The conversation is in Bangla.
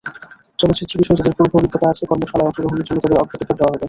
চলচ্চিত্র বিষয়ে যঁাদের পূর্বাভিজ্ঞতা আছে, কর্মশালায় অংশগ্রহণের জন্য তাঁদের অগ্রাধিকার দেওয়া হবে।